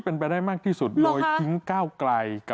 เป็นไปได้มากที่สุดหรอคะ